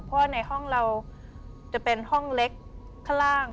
เพราะว่าในห้องเราจะเป็นห้องเล็กข้างล่าง